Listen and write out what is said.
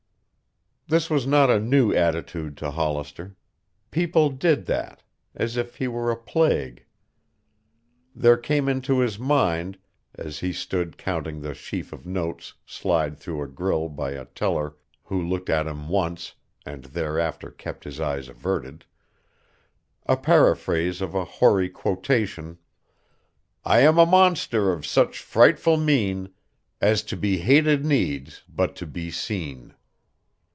This was not a new attitude to Hollister. People did that, as if he were a plague. There came into his mind as he stood counting the sheaf of notes slide through a grill by a teller who looked at him once and thereafter kept his eyes averted a paraphrase of a hoary quotation, "I am a monster of such frightful mien, as to be hated needs but to be seen."